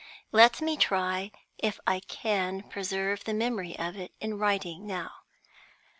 Let me try if I can preserve the memory of it in writing now.